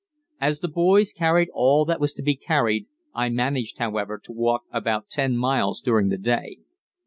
As the boys carried all that was to be carried, I managed, however, to walk about ten miles during the day.